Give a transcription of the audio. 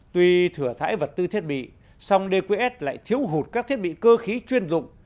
tuy thừa thải vật tư thiết bị song dqs lại thiếu hụt các thiết bị cơ khí chuyên dụng